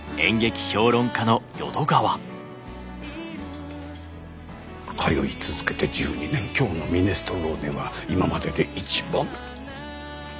通い続けて１２年今日のミネストローネは今までで一番。